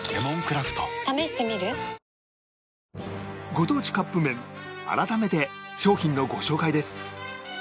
ご当地カップ麺改めて商品のご紹介です